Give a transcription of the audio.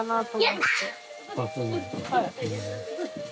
はい。